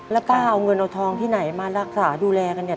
แล้วป้าเอาเงินเอาทองที่ไหนมารักษาดูแลกันเนี่ย